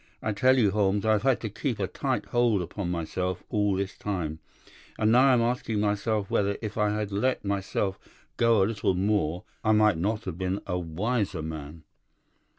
I tell you, Holmes, I have had to keep a tight hold upon myself all this time; and now I am asking myself whether, if I had let myself go a little more, I might not have been a wiser man.